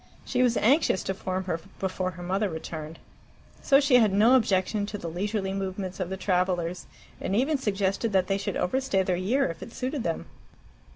She was anxious to form her before her mother returned. So she had no objection to the leisurely movements of the travellers, and even suggested that they should overstay their year if it suited them.